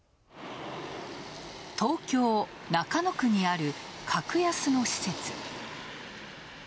東京・中野区にあるカクヤスの施設。